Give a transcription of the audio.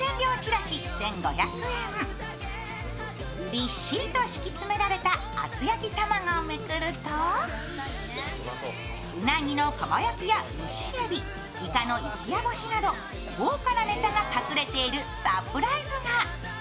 びっしりと敷き詰められた厚焼き卵をめくると、うなぎのかば焼きや蒸しえび、いかの一夜干しなど、豪華なネタが隠れているサプライズが。